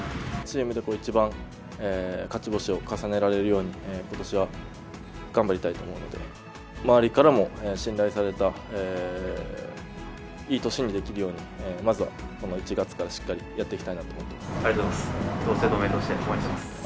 チームで一番、勝ち星を重ねられるように、ことしは頑張りたいと思うので、周りからも信頼されたいい年にできるように、まずはこの１月からしっかりやっていきたいなと思ってます。